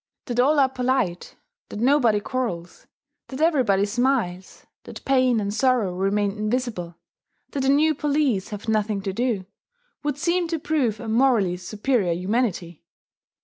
That all are polite, that nobody quarrels, that everybody smiles, that pain and sorrow remain invisible, that the new police have nothing to do, would seem to prove a morally superior humanity.